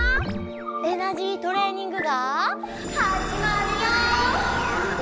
エナジートレーニングがはじまるよ！